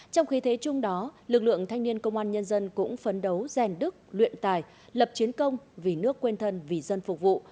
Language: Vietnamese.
trong khi thế chung đó lực lượng thanh niên công an nhân dân cũng phấn đấu rèn đức luyện tài lập chiến công vì nước quên thân vì dân phục vụ